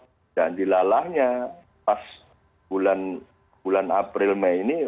tidak dilalahnya pas bulan april mei ini